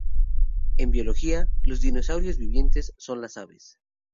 En biología, los "dinosaurios vivientes" son las aves.